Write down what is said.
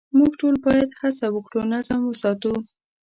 موږ ټول باید هڅه وکړو نظم وساتو.